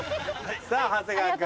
さぁ長谷川君。